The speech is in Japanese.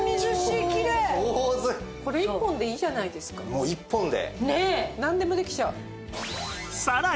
もう１本で。